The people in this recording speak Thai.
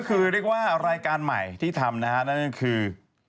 ก็คือเรียกว่ารายการใหม่ที่ทำนะฮะนั่นก็คือ